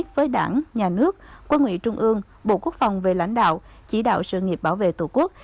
với quân ủy trung ương bộ quốc phòng về lãnh đạo chỉ đạo sự nghiệp bảo vệ tổ quốc